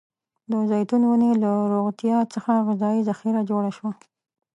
د زیتون ونې له روغتيا څخه غذايي ذخیره جوړه شوه.